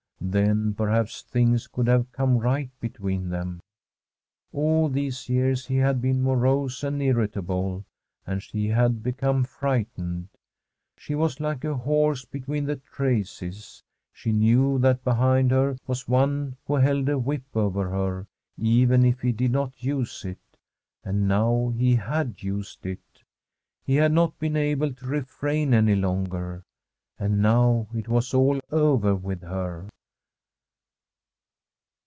Then, perhaps, things could have come right between them. All these years he had been morose and irritable, and she had be come frightened. She was like a horse between the traces. She knew that behind her was one who held a whip over her, even if he did not use it; and now he had used it. He had not been able to refrain any longer. And now it was all over with her.